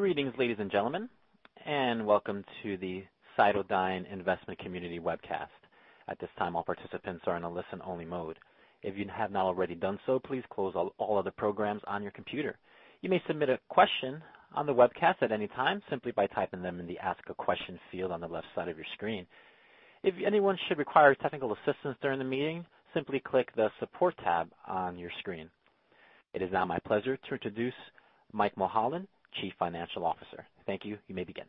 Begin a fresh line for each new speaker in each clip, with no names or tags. Greetings, ladies and gentlemen, and welcome to the CytoDyn Investment Community Webcast. At this time all participants are in listen only mode. If you have not already done so please close all the programs on your computer. You may submit a question on a webcast at any time simply by typing them on the ask a question seal on the left side of your screen. If anyone should require technical assistants during the meeting, simply click the support tab on your screen. It is now my pleasure to introduce Mike Mulholland, Chief Financial Officer. Thank you. You may begin.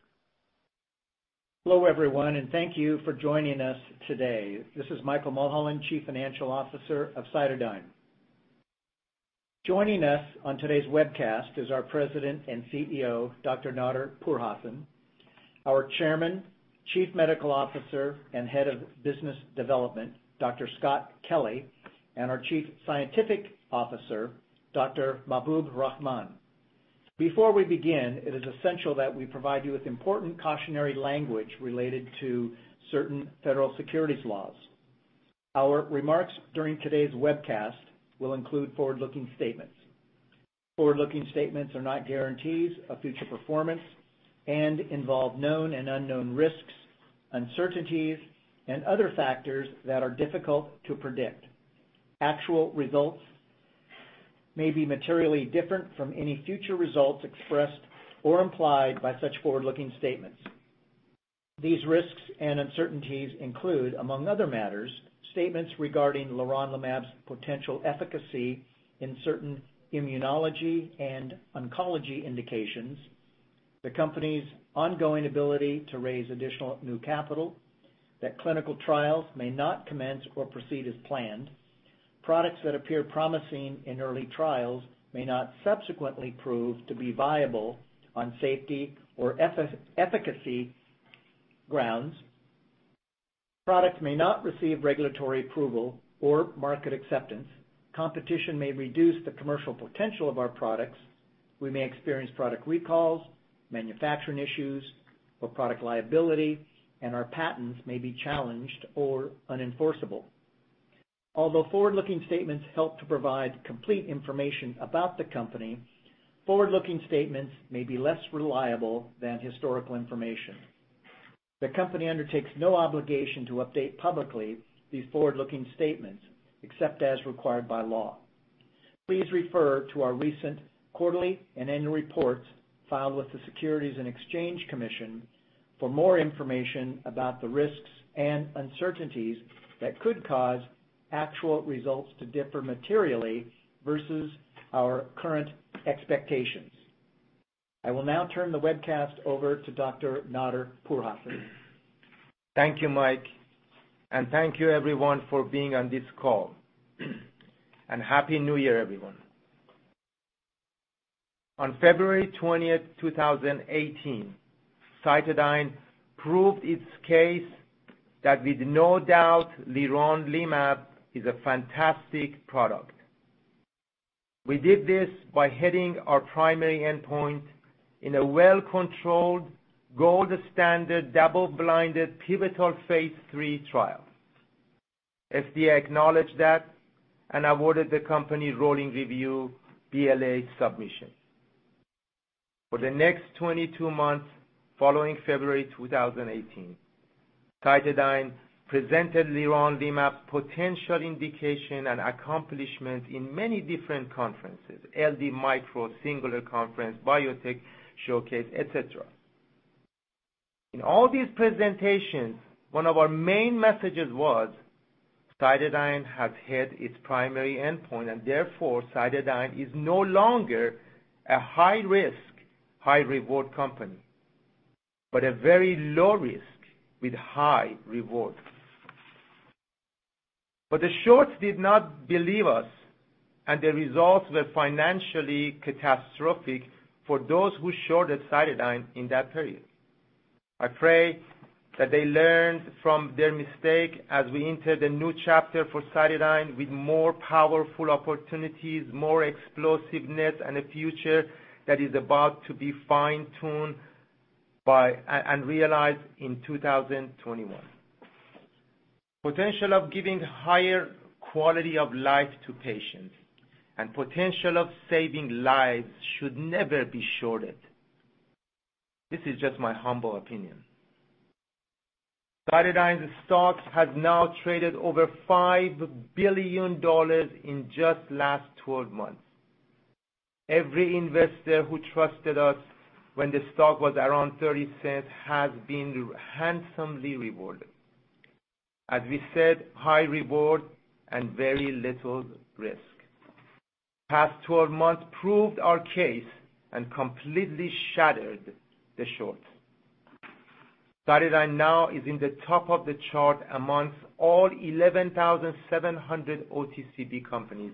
Hello, everyone, and thank you for joining us today. This is Michael Mulholland, Chief Financial Officer of CytoDyn. Joining us on today's webcast is our President and CEO, Dr. Nader Pourhassan, our Chairman, Chief Medical Officer, and Head of Business Development, Dr. Scott Kelly, and our Chief Scientific Officer, Dr. Mahboob Rahman. Before we begin, it is essential that we provide you with important cautionary language related to certain federal securities laws. Our remarks during today's webcast will include forward-looking statements. Forward-looking statements are not guarantees of future performance and involve known and unknown risks, uncertainties, and other factors that are difficult to predict. Actual results may be materially different from any future results expressed or implied by such forward-looking statements. These risks and uncertainties include, among other matters, statements regarding leronlimab's potential efficacy in certain immunology and oncology indications, the company's ongoing ability to raise additional new capital, that clinical trials may not commence or proceed as planned, products that appear promising in early trials may not subsequently prove to be viable on safety or efficacy grounds, products may not receive regulatory approval or market acceptance, competition may reduce the commercial potential of our products, we may experience product recalls, manufacturing issues, or product liability, and our patents may be challenged or unenforceable. Although forward-looking statements help to provide complete information about the company, forward-looking statements may be less reliable than historical information. The company undertakes no obligation to update publicly these forward-looking statements, except as required by law. Please refer to our recent quarterly and annual reports filed with the Securities and Exchange Commission for more information about the risks and uncertainties that could cause actual results to differ materially versus our current expectations. I will now turn the webcast over to Dr. Nader Pourhassan.
Thank you, Mike. Thank you everyone for being on this call. Happy New Year, everyone. On February 20th, 2018, CytoDyn proved its case that with no doubt, leronlimab is a fantastic product. We did this by hitting our primary endpoint in a well-controlled gold standard double-blinded pivotal phase III trial. FDA acknowledged that and awarded the company rolling review BLA submission. For the next 22 months following February 2018, CytoDyn presented leronlimab potential indication and accomplishment in many different conferences, LD Micro, Singular Conference, Biotech Showcase, etc. In all these presentations, one of our main messages was CytoDyn has hit its primary endpoint and therefore CytoDyn is no longer a high-risk, high-reward company, but a very low risk with high reward. The shorts did not believe us, and the results were financially catastrophic for those who shorted CytoDyn in that period. I pray that they learned from their mistake as we enter the new chapter for CytoDyn with more powerful opportunities, more explosiveness, and a future that is about to be fine-tuned by and realized in 2021. Potential of giving higher quality of life to patients and potential of saving lives should never be shorted. This is just my humble opinion. CytoDyn's stocks has now traded over $5 billion in just last 12 months. Every investor who trusted us when the stock was around $0.30 has been handsomely rewarded. As we said, high reward and very little risk. Past 12 months proved our case and completely shattered the shorts. CytoDyn now is in the top of the chart amongst all 11,700 OTCQB companies,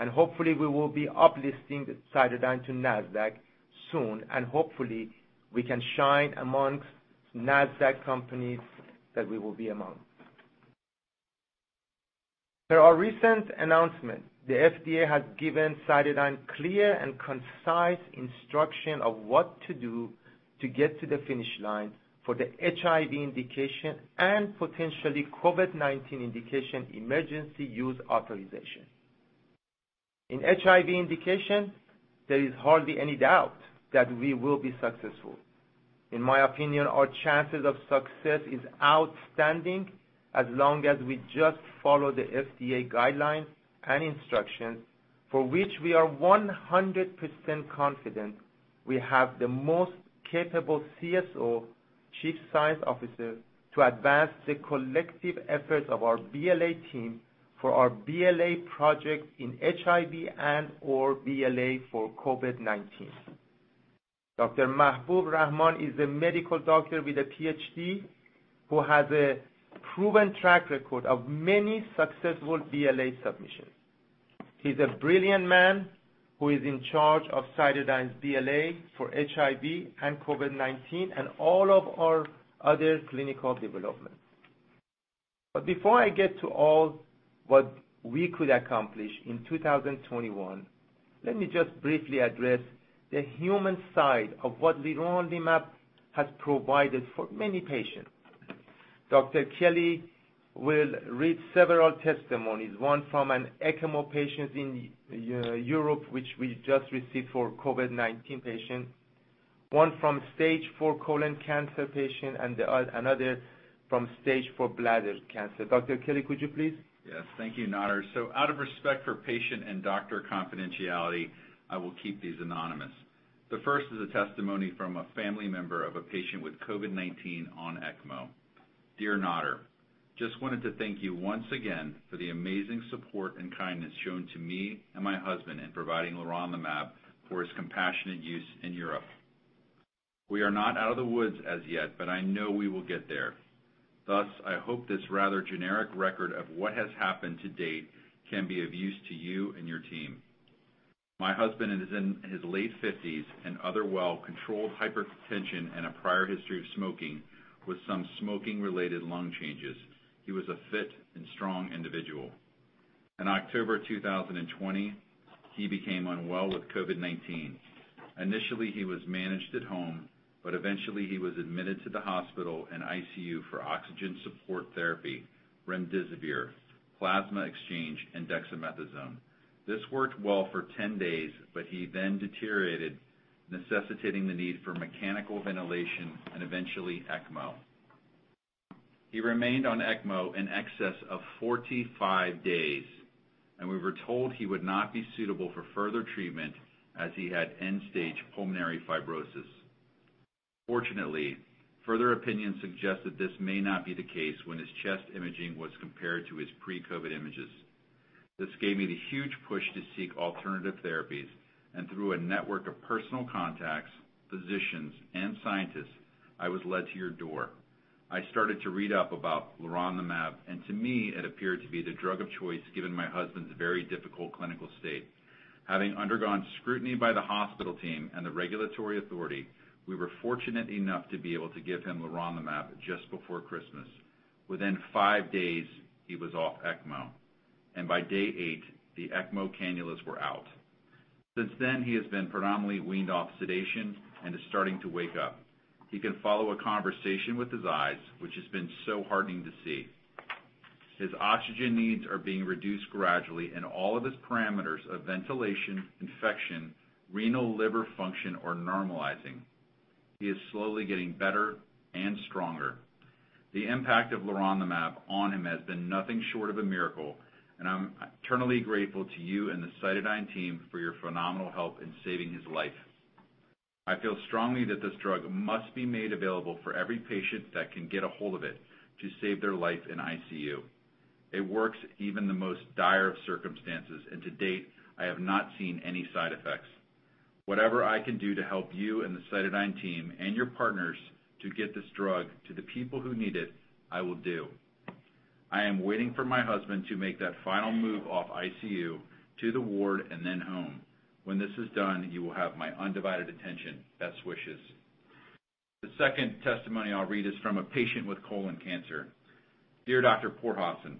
and hopefully, we will be up-listing CytoDyn to Nasdaq soon, and hopefully, we can shine amongst Nasdaq companies that we will be among. There are recent announcement the FDA has given CytoDyn clear and concise instruction of what to do to get to the finish line for the HIV indication and potentially COVID-19 indication emergency use authorization. In HIV indication, there is hardly any doubt that we will be successful. In my opinion, our chances of success is outstanding as long as we just follow the FDA guidelines and instructions for which we are 100% confident we have the most capable CSO, Chief Scientific Officer, to advance the collective efforts of our BLA team for our BLA project in HIV and/or BLA for COVID-19. Dr. Mahboob Rahman is a medical doctor with a PhD who has a proven track record of many successful BLA submissions. He's a brilliant man who is in charge of CytoDyn's BLA for HIV and COVID-19 and all of our other clinical developments. Before I get to all what we could accomplish in 2021, let me just briefly address the human side of what leronlimab has provided for many patients. Dr. Kelly will read several testimonies, one from an ECMO patient in Europe, which we just received for COVID-19 patients, one from stage four colon cancer patient and another from stage four bladder cancer. Dr. Kelly, could you please?
Yes. Thank you, Nader. Out of respect for patient and doctor confidentiality, I will keep these anonymous. The first is a testimony from a family member of a patient with COVID-19 on ECMO. "Dear Nader, just wanted to thank you once again for the amazing support and kindness shown to me and my husband in providing leronlimab for its compassionate use in Europe. We are not out of the woods as yet, I know we will get there. I hope this rather generic record of what has happened to date can be of use to you and your team. My husband is in his late fifties and other well-controlled hypertension and a prior history of smoking with some smoking-related lung changes. He was a fit and strong individual. In October 2020, he became unwell with COVID-19. Initially, he was managed at home, but eventually he was admitted to the hospital and ICU for oxygen support therapy, remdesivir, plasma exchange, and dexamethasone. This worked well for 10 days, but he then deteriorated, necessitating the need for mechanical ventilation and eventually ECMO. He remained on ECMO in excess of 45 days, and we were told he would not be suitable for further treatment as he had end-stage pulmonary fibrosis. Fortunately, further opinion suggested this may not be the case when his chest imaging was compared to his pre-COVID images. This gave me the huge push to seek alternative therapies, and through a network of personal contacts, physicians, and scientists, I was led to your door. I started to read up about leronlimab, and to me it appeared to be the drug of choice given my husband's very difficult clinical state. Having undergone scrutiny by the hospital team and the regulatory authority, we were fortunate enough to be able to give him leronlimab just before Christmas. Within five days, he was off ECMO, and by day eight, the ECMO cannulas were out. Since then, he has been predominantly weaned off sedation and is starting to wake up. He can follow a conversation with his eyes, which has been so heartening to see. His oxygen needs are being reduced gradually, and all of his parameters of ventilation, infection, renal, liver function are normalizing. He is slowly getting better and stronger. The impact of leronlimab on him has been nothing short of a miracle, and I'm eternally grateful to you and the CytoDyn team for your phenomenal help in saving his life. I feel strongly that this drug must be made available for every patient that can get a hold of it to save their life in ICU. It works even the most dire of circumstances, and to date, I have not seen any side effects. Whatever I can do to help you and the CytoDyn team and your partners to get this drug to the people who need it, I will do. I am waiting for my husband to make that final move off ICU to the ward and then home. When this is done, you will have my undivided attention. Best wishes." The second testimony I'll read is from a patient with colon cancer. "Dear Dr. Pourhassan,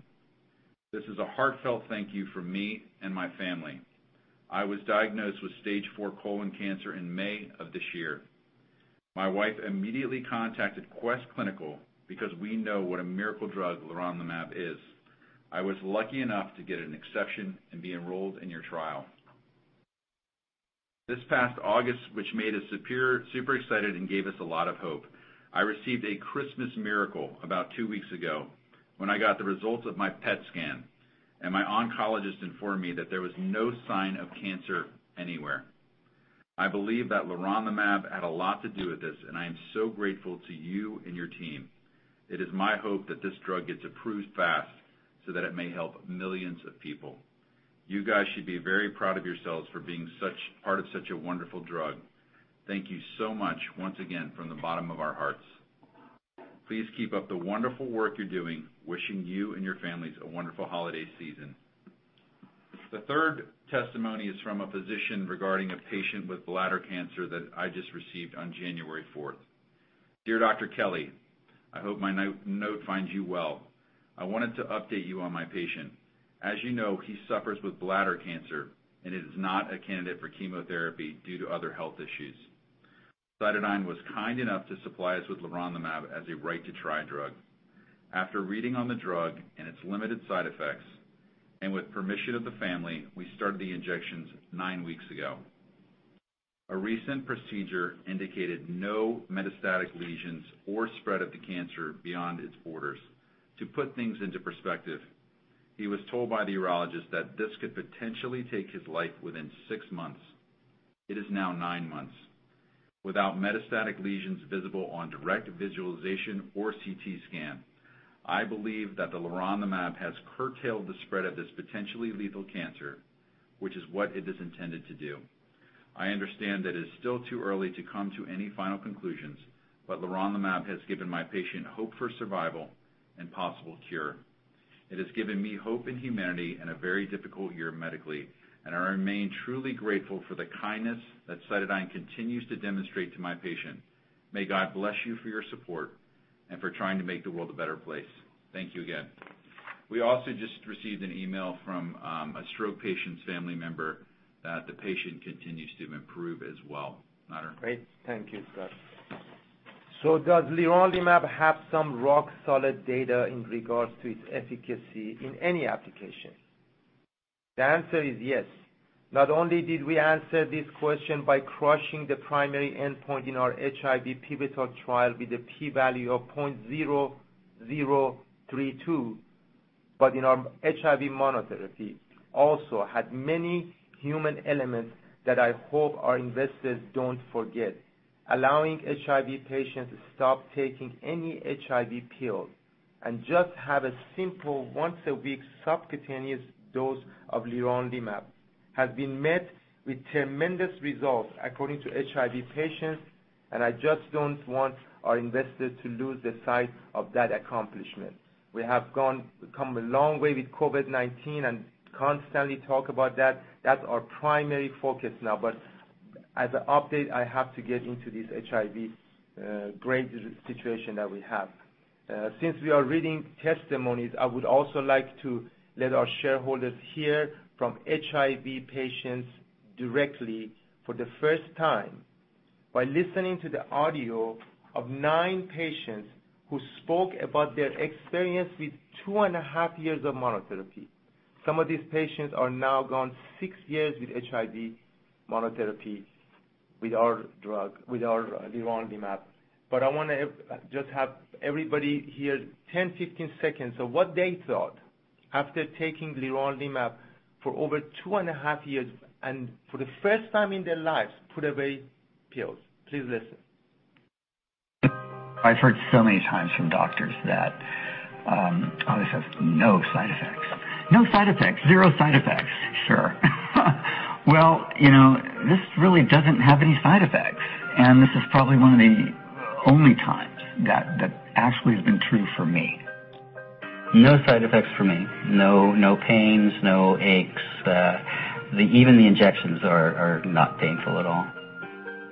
this is a heartfelt thank you from me and my family. I was diagnosed with stage four colon cancer in May of this year. My wife immediately contacted Quest Clinical because we know what a miracle drug leronlimab is. I was lucky enough to get an exception and be enrolled in your trial. This past August, which made us super excited and gave us a lot of hope. I received a Christmas miracle about two weeks ago when I got the results of my PET scan, and my oncologist informed me that there was no sign of cancer anywhere. I believe that leronlimab had a lot to do with this, and I am so grateful to you and your team. It is my hope that this drug gets approved fast so that it may help millions of people. You guys should be very proud of yourselves for being part of such a wonderful drug. Thank you so much once again from the bottom of our hearts. Please keep up the wonderful work you're doing. Wishing you and your families a wonderful holiday season." The third testimony is from a physician regarding a patient with bladder cancer that I just received on January fourth. "Dear Dr. Kelly, I hope my note finds you well. I wanted to update you on my patient. As you know, he suffers with bladder cancer and is not a candidate for chemotherapy due to other health issues." CytoDyn was kind enough to supply us with leronlimab as a Right to Try drug. After reading on the drug and its limited side effects, and with permission of the family, we started the injections nine weeks ago. A recent procedure indicated no metastatic lesions or spread of the cancer beyond its borders. To put things into perspective, he was told by the urologist that this could potentially take his life within six months. It is now nine months. Without metastatic lesions visible on direct visualization or CT scan, I believe that the leronlimab has curtailed the spread of this potentially lethal cancer, which is what it is intended to do. I understand that it is still too early to come to any final conclusions, but leronlimab has given my patient hope for survival and possible cure. It has given me hope in humanity in a very difficult year medically, and I remain truly grateful for the kindness that CytoDyn continues to demonstrate to my patient. May God bless you for your support and for trying to make the world a better place. Thank you again. We also just received an email from a stroke patient's family member that the patient continues to improve as well, Nader.
Great. Thank you, Scott. Does leronlimab have some rock solid data in regards to its efficacy in any application? The answer is yes. Not only did we answer this question by crushing the primary endpoint in our HIV pivotal trial with a P value of 0.0032, but in our HIV monotherapy also had many human elements that I hope our investors don't forget. Allowing HIV patients to stop taking any HIV pills and just have a simple once a week subcutaneous dose of leronlimab has been met with tremendous results according to HIV patients. I just don't want our investors to lose the sight of that accomplishment. We have come a long way with COVID-19 and constantly talk about that. That's our primary focus now. As an update, I have to get into this HIV great situation that we have. Since we are reading testimonies, I would also like to let our shareholders hear from HIV patients directly for the first time by listening to the audio of nine patients who spoke about their experience with two and a half years of monotherapy. Some of these patients are now gone six years with HIV monotherapy with our drug, with our leronlimab. I want to just have everybody hear 10, 15 seconds of what they thought after taking leronlimab for over two and a half years, and for the first time in their lives, put away pills. Please listen.
I've heard so many times from doctors that, "Oh, this has no side effects. No side effects, zero side effects." Sure. Well, this really doesn't have any side effects, and this is probably one of the only times that that actually has been true for me. No side effects for me. No pains, no aches. Even the injections are not painful at all.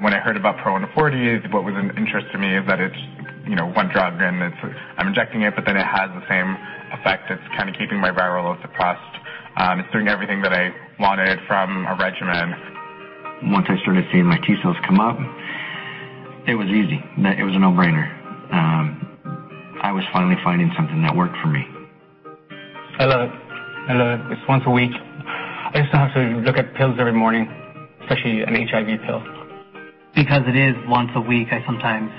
When I heard about PRO140, what was an interest to me is that it's one drug and I'm injecting it, but then it has the same effect. It's kind of keeping my viral load suppressed. It's doing everything that I wanted from a regimen.
Once I started seeing my T cells come up, it was easy. It was a no-brainer. I was finally finding something that worked for me.
I love it. I love it. It's once a week. I just don't have to look at pills every morning, especially an HIV pill.
Because it is once a week, I sometimes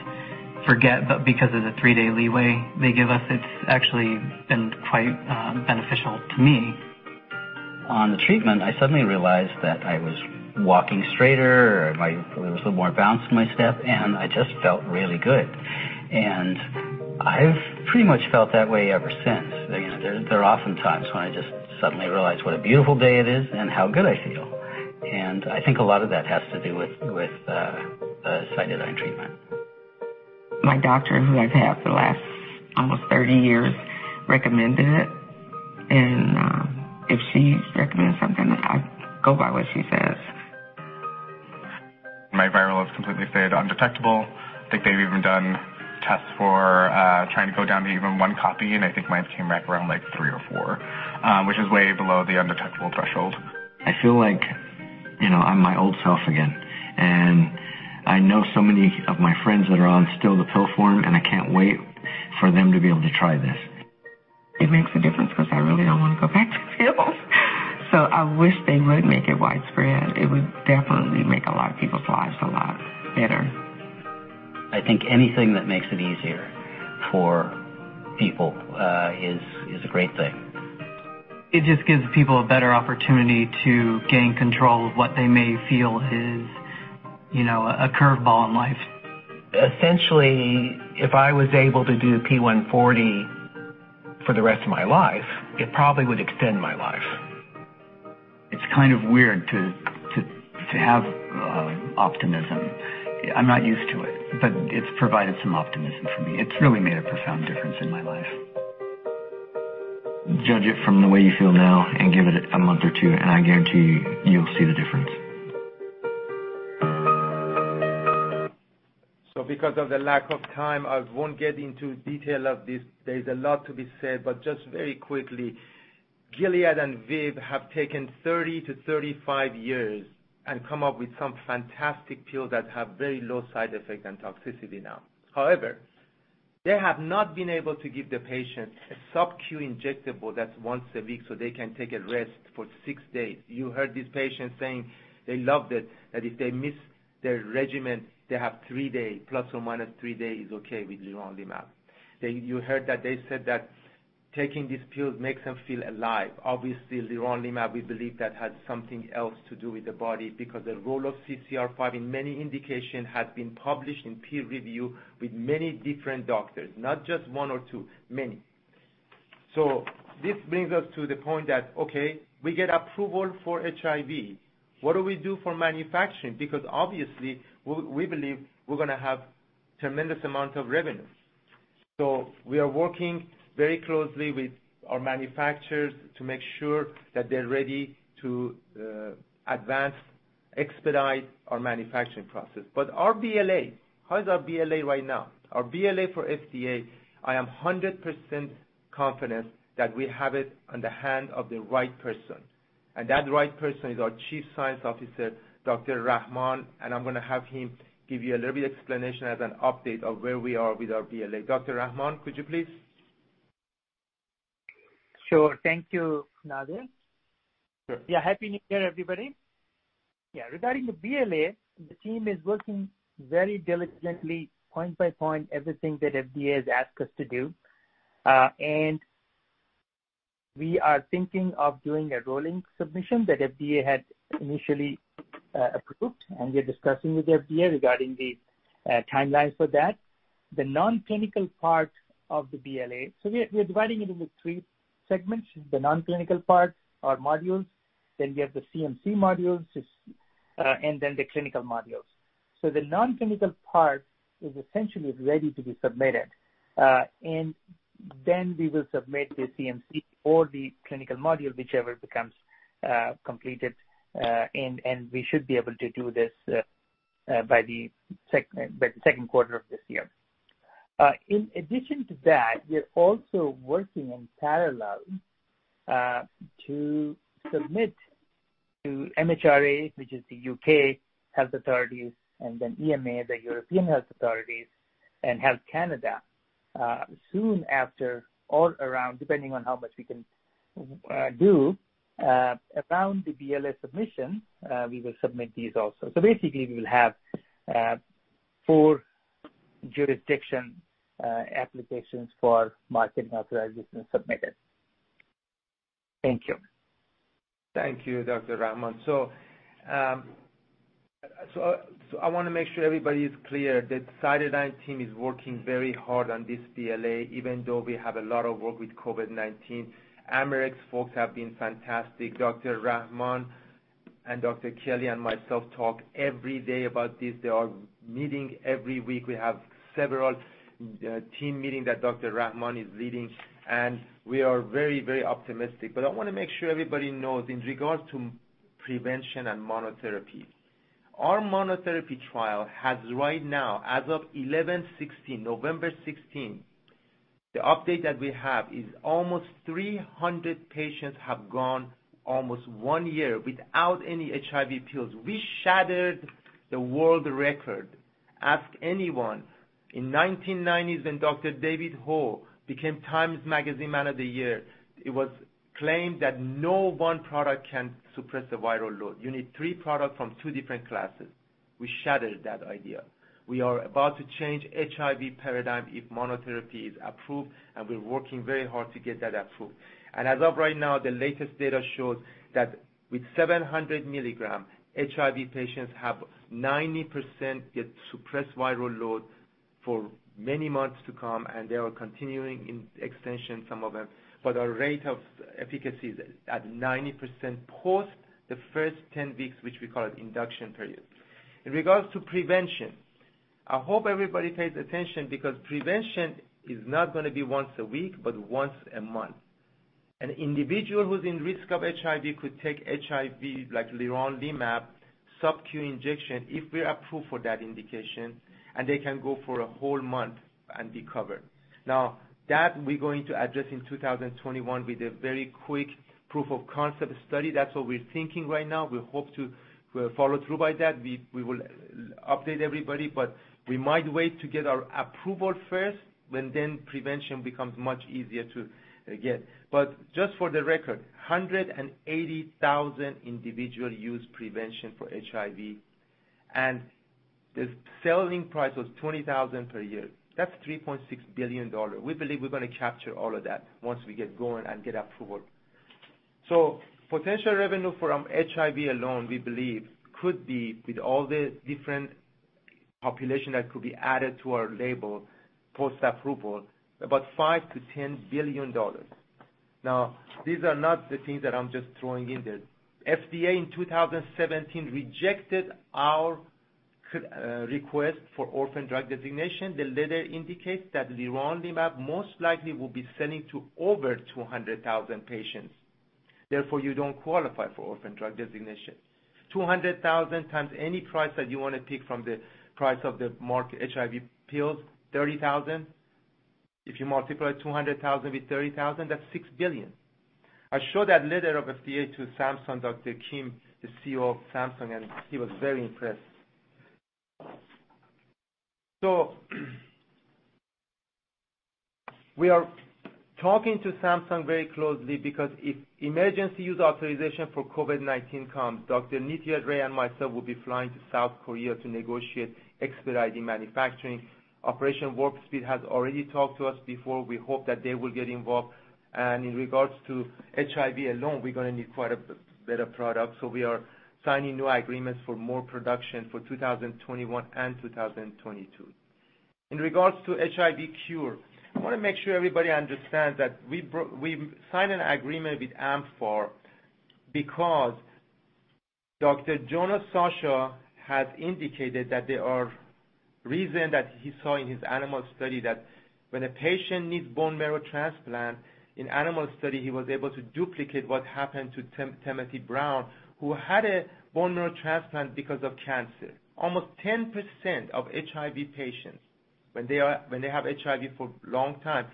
forget, but because of the three-day leeway they give us, it's actually been quite beneficial to me.
On the treatment, I suddenly realized that I was walking straighter or there was a little more bounce in my step, and I just felt really good. I've pretty much felt that way ever since. There are often times when I just suddenly realize what a beautiful day it is and how good I feel, and I think a lot of that has to do with the CytoDyn treatment.
My doctor, who I've had for the last almost 30 years, recommended it, and if she recommends something, I go by what she says.
My viral load's completely stayed undetectable. I think they've even done tests for trying to go down to even one copy, and I think mine came back around like three or four, which is way below the undetectable threshold.
I feel like I'm my old self again. I know so many of my friends that are on still the pill form. I can't wait for them to be able to try this.
It makes a difference because I really don't want to go back to pills. I wish they would make it widespread. It would definitely make a lot of people's lives a lot better.
I think anything that makes it easier for people is a great thing.
It just gives people a better opportunity to gain control of what they may feel is a curveball in life.
Essentially, if I was able to do P140 for the rest of my life, it probably would extend my life. It's kind of weird to have optimism. I'm not used to it, but it's provided some optimism for me. It's really made a profound difference in my life.
Judge it from the way you feel now and give it a month or two, and I guarantee you'll see the difference.
Because of the lack of time, I won't get into detail of this. There's a lot to be said, but just very quickly, Gilead and ViiV have taken 30-35 years and come up with some fantastic pills that have very low side effects and toxicity now. However, they have not been able to give the patient a subcu injectable that's once a week so they can take a rest for six days. You heard these patients saying they loved it, that if they miss their regimen, they have three days. Plus or minus three days is okay with leronlimab. You heard that they said that taking these pills makes them feel alive. Obviously, leronlimab, we believe that has something else to do with the body, because the role of CCR5 in many indications has been published in peer review with many different doctors. Not just one or two, many. This brings us to the point that, okay, we get approval for HIV. What do we do for manufacturing? Obviously, we believe we're going to have tremendous amount of revenue. We are working very closely with our manufacturers to make sure that they're ready to advance, expedite our manufacturing process. Our BLA, how is our BLA right now? Our BLA for FDA, I am 100% confident that we have it on the hand of the right person, and that right person is our Chief Scientific Officer, Dr. Rahman. I'm going to have him give you a little bit explanation as an update of where we are with our BLA. Dr. Rahman, could you please?
Sure. Thank you, Nader.
Sure.
Happy New Year, everybody. Regarding the BLA, the team is working very diligently, point by point, everything that FDA has asked us to do. We are thinking of doing a rolling submission that FDA had initially approved, and we are discussing with the FDA regarding the timelines for that. The non-clinical part of the BLA. We're dividing it into three segments: the non-clinical part, our modules, then we have the CMC modules, and then the clinical modules. The non-clinical part is essentially ready to be submitted. Then we will submit the CMC or the clinical module, whichever becomes completed. We should be able to do this by the second quarter of this year. In addition to that, we are also working in parallel to submit to MHRA, which is the U.K. health authorities, and then EMA, the European health authorities, and Health Canada. Soon after or around, depending on how much we can do around the BLA submission, we will submit these also. Basically, we will have four jurisdiction applications for marketing authorization submitted. Thank you.
Thank you, Dr. Rahman. I want to make sure everybody is clear. The CytoDyn team is working very hard on this BLA, even though we have a lot of work with COVID-19. Amarex folks have been fantastic. Dr. Rahman and Dr. Kelly and myself talk every day about this. They are meeting every week. We have several team meetings that Dr. Rahman is leading, and we are very optimistic. I want to make sure everybody knows in regards to prevention and monotherapy. Our monotherapy trial has right now, as of, November 16, the update that we have is almost 300 patients have gone almost one year without any HIV pills. We shattered the world record. Ask anyone. In 1990s when Dr. David Ho became Time Magazine Man of the Year, it was claimed that no one product can suppress the viral load. You need three products from two different classes. We shattered that idea. We are about to change HIV paradigm if monotherapy is approved, and we're working very hard to get that approved. As of right now, the latest data shows that with 700 mg, HIV patients have 90% get suppressed viral load for many months to come, and they are continuing in extension, some of them. Our rate of efficacy is at 90% post the first 10 weeks, which we call it induction period. In regards to prevention, I hope everybody pays attention because prevention is not going to be once a week, but once a month. An individual who's in risk of HIV could take HIV, like leronlimab subcu injection if we are approved for that indication, and they can go for a whole month and be covered. That we're going to address in 2021 with a very quick proof of concept study. That's what we're thinking right now. We hope to follow through by that. We will update everybody, but we might wait to get our approval first, when then prevention becomes much easier to get. Just for the record, 180,000 individual use prevention for HIV, and the selling price was $20,000 per year. That's $3.6 billion. We believe we're going to capture all of that once we get going and get approval. Potential revenue from HIV alone, we believe could be, with all the different population that could be added to our label post-approval, about $5 billion-$10 billion. These are not the things that I'm just throwing in there. FDA in 2017 rejected our request for orphan drug designation. The letter indicates that leronlimab most likely will be selling to over 200,000 patients, therefore you don't qualify for orphan drug designation. 200,000x any price that you want to pick from the price of the market HIV pills, $30,000. If you multiply 200,000 with $30,000, that's $6 billion. I show that letter of FDA to Samsung, Dr. Kim, the CEO of Samsung, and he was very impressed. We are talking to Samsung very closely because if emergency use authorization for COVID-19 comes, Dr. Nitya Ray and myself will be flying to South Korea to negotiate expediting manufacturing. Operation Warp Speed has already talked to us before. We hope that they will get involved. In regards to HIV alone, we're going to need quite a bit of product. We are signing new agreements for more production for 2021 and 2022. In regards to HIV cure, I want to make sure everybody understands that we signed an agreement with amfAR because Dr. Jonah Sacha has indicated that there are reason that he saw in his animal study that when a patient needs bone marrow transplant, in animal study, he was able to duplicate what happened to Timothy Brown, who had a bone marrow transplant because of cancer. Almost 10% of HIV patients, when they have HIV for a long time,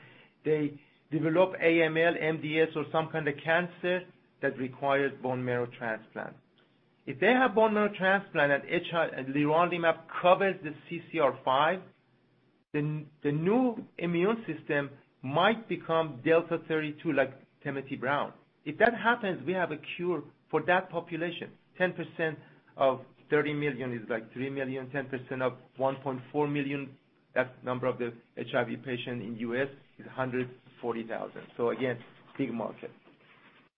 they develop AML, MDS, or some kind of cancer that requires bone marrow transplant. If they have bone marrow transplant and leronlimab covers the CCR5, then the new immune system might become Delta 32 like Timothy Brown. If that happens, we have a cure for that population. 10% of 30 million is like 3 million, 10% of 1.4 million, that's number of the HIV patient in U.S., is 140,000. Again, big market.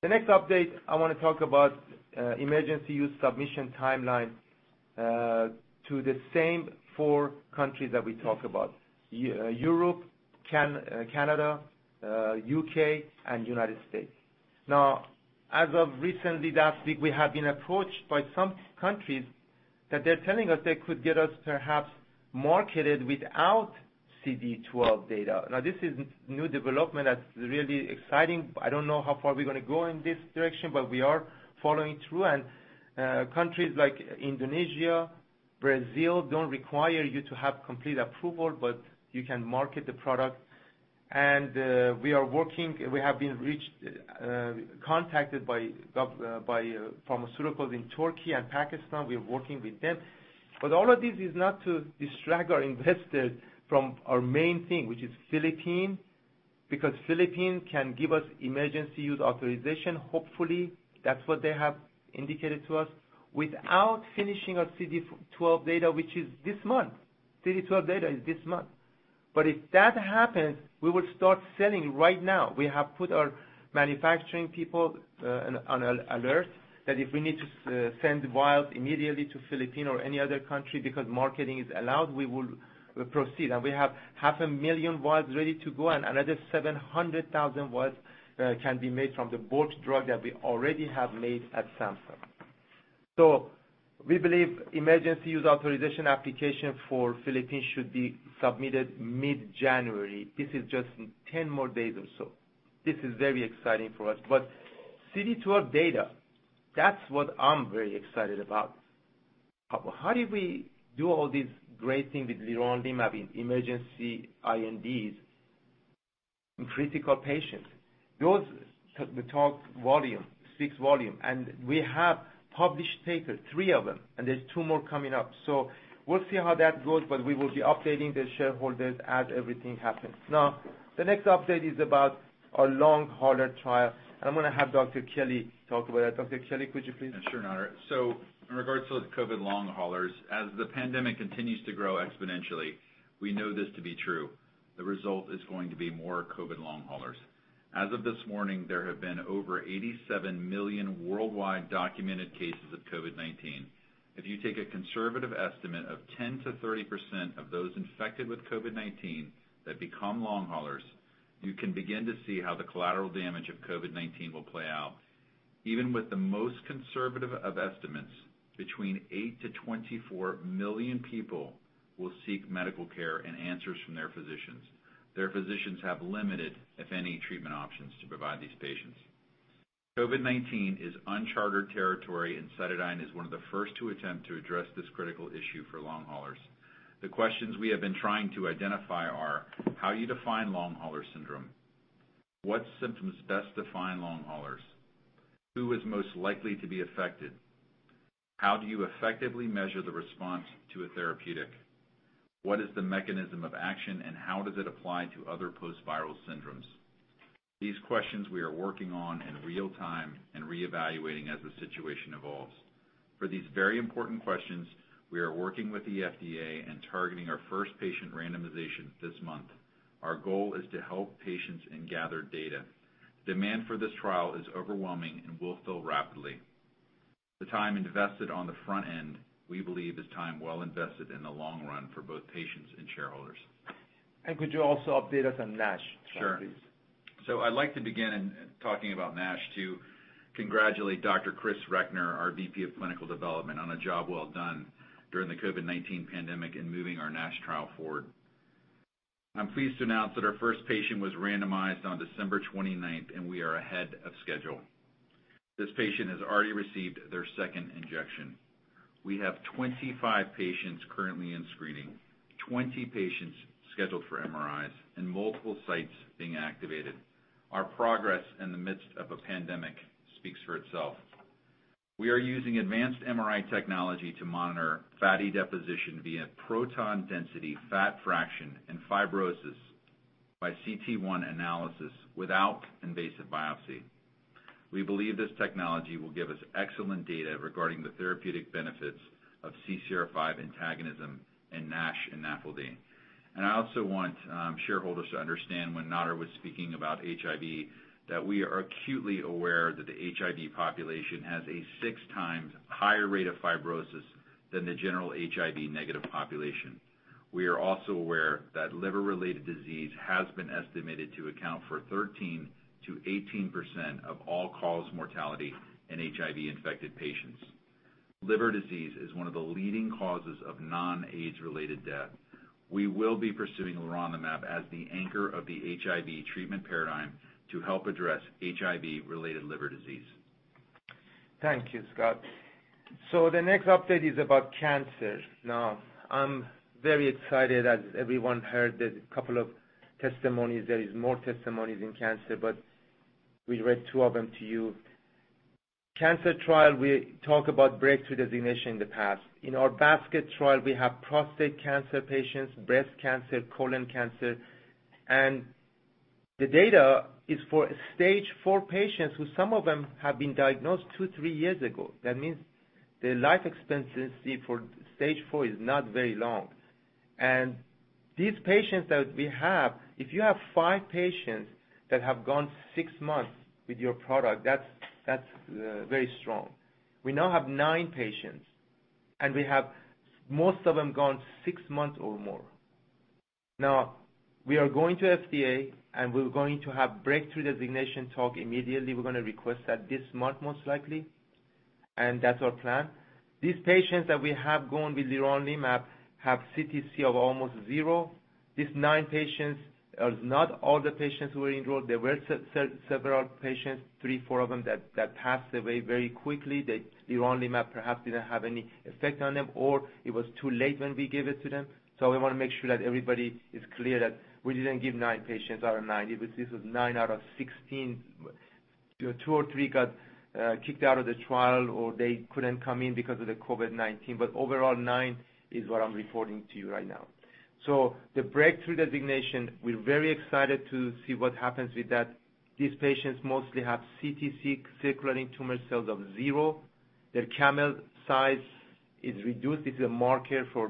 The next update I want to talk about, emergency use submission timeline to the same four countries that we talk about, Europe, Canada, U.K., and U.S. As of recently last week, we have been approached by some countries that they're telling us they could get us perhaps marketed without CD12 data. This is new development that's really exciting. I don't know how far we're going to go in this direction, but we are following through. Countries like Indonesia, Brazil, don't require you to have complete approval, but you can market the product. We have been contacted by pharmaceuticals in Turkey and Pakistan. We are working with them. All of this is not to distract our investors from our main thing, which is Philippines, because Philippines can give us emergency use authorization. Hopefully, that's what they have indicated to us, without finishing our CD12 data, which is this month. CD12 data is this month. If that happens, we will start selling right now. We have put our manufacturing people on alert that if we need to send vials immediately to Philippines or any other country because marketing is allowed, we will proceed. We have 500,000 vials ready to go, and another 700,000 vials can be made from the bulk drug that we already have made at Samsung. We believe emergency use authorization application for Philippines should be submitted mid-January. This is just 10 more days or so. This is very exciting for us. CD12 data, that's what I'm very excited about. How do we do all these great things with leronlimab in emergency INDs in critical patients? Those talk volume, speaks volume. We have published papers, three of them. There's two more coming up. We'll see how that goes, but we will be updating the shareholders as everything happens. Now, the next update is about our Long Hauler trial. I'm going to have Dr. Kelly talk about that. Dr. Kelly, could you please?
Yeah, sure, Nader. In regards to the COVID long haulers, as the pandemic continues to grow exponentially, we know this to be true. The result is going to be more COVID long haulers. As of this morning, there have been over 87 million worldwide documented cases of COVID-19. If you take a conservative estimate of 10%-30% of those infected with COVID-19 that become long haulers, you can begin to see how the collateral damage of COVID-19 will play out. Even with the most conservative of estimates, between 8 million-24 million people will seek medical care and answers from their physicians. Their physicians have limited, if any, treatment options to provide these patients. COVID-19 is uncharted territory, CytoDyn is one of the first to attempt to address this critical issue for long haulers. The questions we have been trying to identify are: how you define long hauler syndrome, what symptoms best define long haulers, who is most likely to be affected, how do you effectively measure the response to a therapeutic, what is the mechanism of action, and how does it apply to other post-viral syndromes? These questions we are working on in real time and reevaluating as the situation evolves. For these very important questions, we are working with the FDA and targeting our first patient randomization this month. Our goal is to help patients and gather data. Demand for this trial is overwhelming and will fill rapidly. The time invested on the front end, we believe, is time well invested in the long run for both patients and shareholders.
Could you also update us on NASH trial, please?
Sure. I'd like to begin talking about NASH to congratulate Dr. Chris Recknor, our VP of Clinical Development, on a job well done during the COVID-19 pandemic in moving our NASH trial forward. I'm pleased to announce that our first patient was randomized on December 29th, and we are ahead of schedule. This patient has already received their second injection. We have 25 patients currently in screening, 20 patients scheduled for MRIs, and multiple sites being activated. Our progress in the midst of a pandemic speaks for itself. We are using advanced MRI technology to monitor fatty deposition via proton density fat fraction, and fibrosis by cT1 analysis without invasive biopsy. We believe this technology will give us excellent data regarding the therapeutic benefits of CCR5 antagonism in NASH and NAFLD. I also want shareholders to understand when Nader was speaking about HIV, that we are acutely aware that the HIV population has a 6x higher rate of fibrosis than the general HIV negative population. We are also aware that liver-related disease has been estimated to account for 13%-18% of all cause mortality in HIV infected patients. Liver disease is one of the leading causes of non-AIDS related death. We will be pursuing leronlimab as the anchor of the HIV treatment paradigm to help address HIV-related liver disease.
Thank you, Scott. The next update is about cancer. Now, I'm very excited, as everyone heard, a couple of testimonies. There is more testimonies in cancer, but we read two of them to you. Cancer trial, we talk about breakthrough designation in the past. In our basket trial, we have prostate cancer patients, breast cancer, colon cancer, and the data is for stage four patients, who some of them have been diagnosed two, three years ago. That means their life expectancy for stage four is not very long. These patients that we have, if you have five patients that have gone six months with your product, that's very strong. We now have nine patients, and we have most of them gone six months or more. Now, we are going to FDA, and we're going to have breakthrough designation talk immediately. We're going to request that this month most likely, and that's our plan. These patients that we have going with leronlimab have CTC of almost zero. These nine patients are not all the patients who were enrolled. There were several patients, three, four of them that passed away very quickly. The leronlimab perhaps didn't have any effect on them, or it was too late when we gave it to them. We want to make sure that everybody is clear that we didn't give nine patients out of 90. This was nine out of 16. Two or three got kicked out of the trial, or they couldn't come in because of the COVID-19. Overall, nine is what I'm reporting to you right now. The breakthrough designation, we're very excited to see what happens with that. These patients mostly have CTC, circulating tumor cells of zero. Their CAML size is reduced. This is a marker for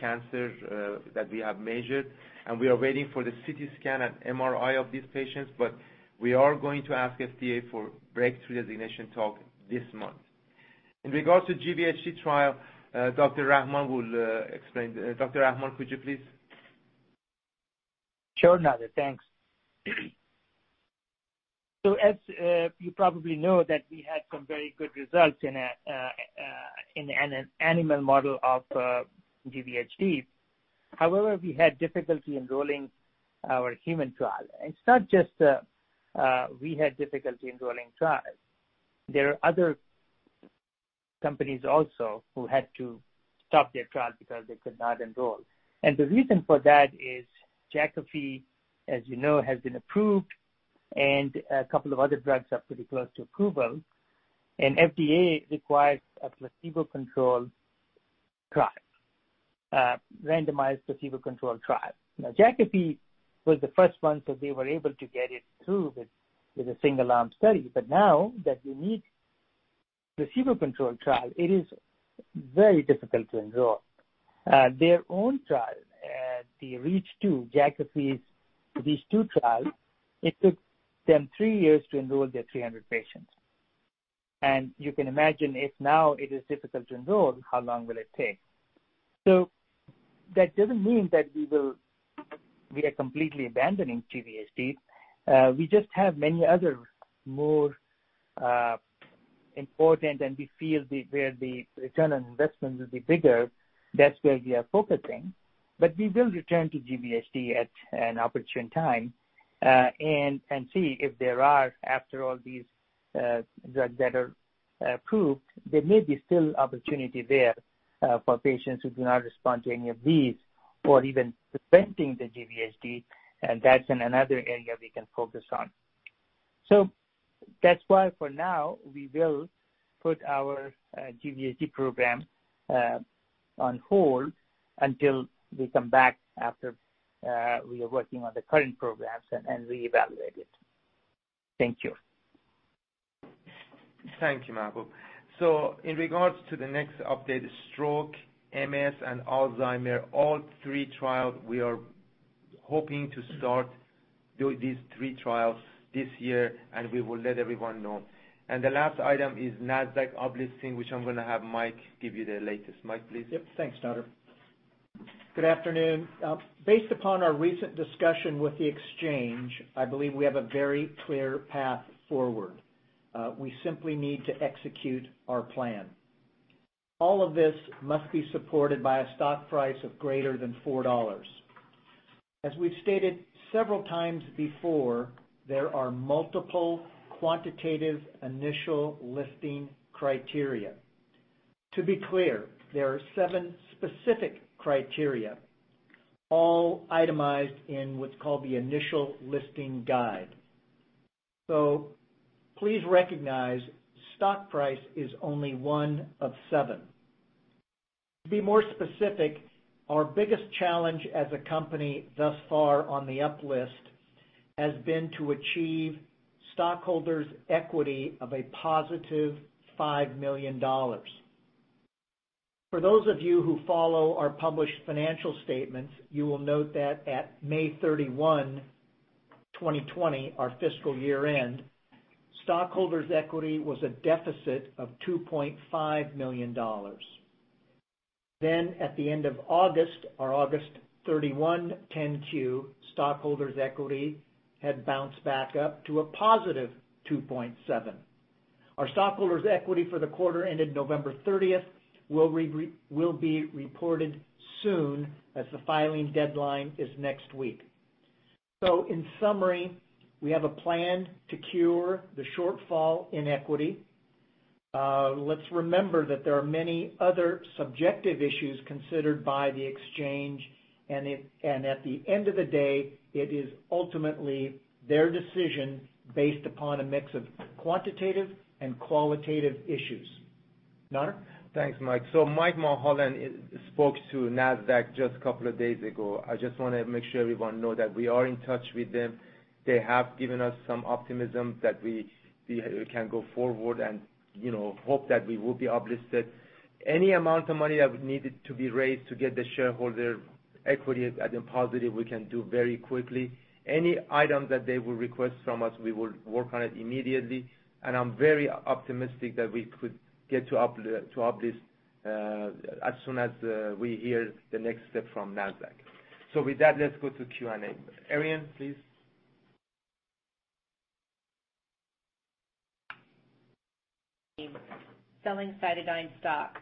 cancer that we have measured, and we are waiting for the CT scan and MRI of these patients. We are going to ask FDA for breakthrough designation talk this month. In regards to GVHD trial, Dr. Rahman will explain. Dr. Rahman, could you please?
Sure, Nader. Thanks. As you probably know that we had some very good results in an animal model of GVHD. However, we had difficulty enrolling our human trial. It's not just we had difficulty enrolling trials. There are other companies also who had to stop their trial because they could not enroll. The reason for that is Jakafi, as you know, has been approved, and a couple of other drugs are pretty close to approval. FDA requires a placebo-controlled trial, a randomized placebo-controlled trial. Jakafi was the first one, so they were able to get it through with a single arm study. Now that you need placebo control trial, it is very difficult to enroll. Their own trial, the REACH2, Jakafi's, these two trials, it took them three years to enroll their 300 patients. You can imagine if now it is difficult to enroll, how long will it take? That doesn't mean that we are completely abandoning GVHD. We just have many other more important and we feel where the return on investment will be bigger. That's where we are focusing. We will return to GVHD at an opportune time and see if there are, after all these drugs that are approved, there may be still opportunity there for patients who do not respond to any of these or even preventing the GVHD. That's another area we can focus on. That's why for now, we will put our GVHD program on hold until we come back after we are working on the current programs and reevaluate it. Thank you.
Thank you, Mahboob. In regards to the next update, stroke, MS, and Alzheimer, all three trials, we are hoping to start these three trials this year, and we will let everyone know. The last item is Nasdaq uplisting, which I'm going to have Mike give you the latest. Mike, please.
Yep. Thanks, Nader. Good afternoon. Based upon our recent discussion with the exchange, I believe we have a very clear path forward. We simply need to execute our plan. All of this must be supported by a stock price of greater than $4. As we've stated several times before, there are multiple quantitative initial listing criteria. To be clear, there are seven specific criteria, all itemized in what's called the Initial Listing Guide. Please recognize stock price is only one of seven. To be more specific, our biggest challenge as a company thus far on the up-list has been to achieve stockholders' equity of a positive $5 million. For those of you who follow our published financial statements, you will note that at May 31, 2020, our fiscal year end, stockholders' equity was a deficit of $2.5 million. At the end of August, our August 31 10-Q, stockholders' equity had bounced back up to a positive $2.7 million. Our stockholders' equity for the quarter ended November 30th will be reported soon as the filing deadline is next week. In summary, we have a plan to cure the shortfall in equity. Let's remember that there are many other subjective issues considered by the exchange and at the end of the day, it is ultimately their decision based upon a mix of quantitative and qualitative issues. Nader?
Thanks, Mike. Mike Mulholland spoke to Nasdaq just a couple of days ago. I just want to make sure everyone know that we are in touch with them. They have given us some optimism that we can go forward and hope that we will be up-listed. Any amount of money that would needed to be raised to get the shareholder equity at a positive, we can do very quickly. Any item that they will request from us, we will work on it immediately, and I'm very optimistic that we could get to up-list as soon as we hear the next step from Nasdaq. With that, let's go to Q&A. Arian, please.
Selling CytoDyn stock.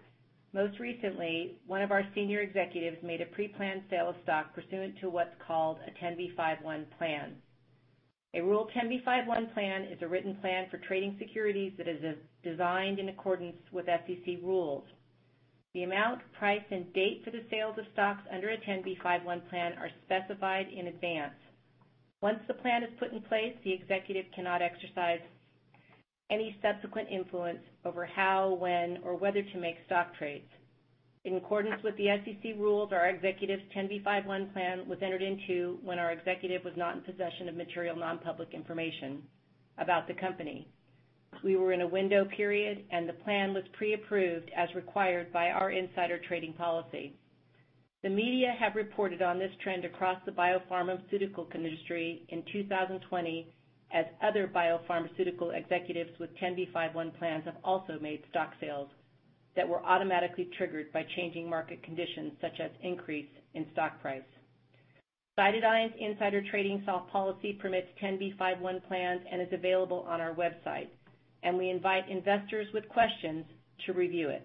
Most recently, one of our senior executives made a pre-planned sale of stock pursuant to what's called a 10b5-1 plan. A Rule 10b5-1 plan is a written plan for trading securities that is designed in accordance with SEC rules. The amount, price, and date for the sales of stocks under a 10b5-1 plan are specified in advance. Once the plan is put in place, the executive cannot exercise any subsequent influence over how, when, or whether to make stock trades. In accordance with the SEC rules, our executive's 10b5-1 plan was entered into when our executive was not in possession of material non-public information about the company. We were in a window period, and the plan was pre-approved as required by our insider trading policy. The media have reported on this trend across the biopharmaceutical industry in 2020 as other biopharmaceutical executives with 10b5-1 plans have also made stock sales that were automatically triggered by changing market conditions such as increase in stock price. CytoDyn's insider trading stock policy permits 10b5-1 plans and is available on our website. We invite investors with questions to review it.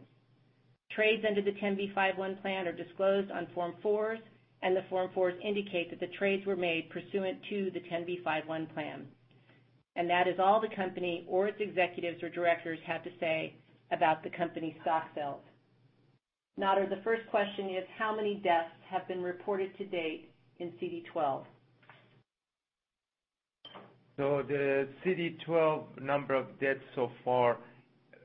Trades under the 10b5-1 plan are disclosed on Form 4s. The Form 4s indicate that the trades were made pursuant to the 10b5-1 plan. That is all the company or its executives or directors have to say about the company's stock sales. Nader, the first question is how many deaths have been reported to date in CD12?
The CD12 number of deaths so far,